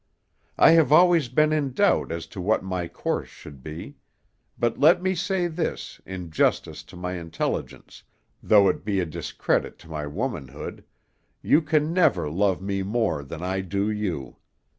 I have always been in doubt as to what my course should be; but let me say this, in justice to my intelligence, though it be a discredit to my womanhood, you can never love me more than I do you.